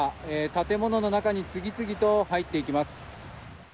建物の中に次々と入っていきます。